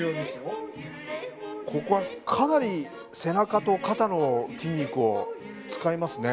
ここはかなり背中と肩の筋肉を使いますね。